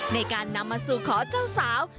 ในการนำมาสู่ขอเจ้าสาว